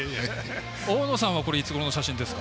大野さんはいつごろの写真ですか？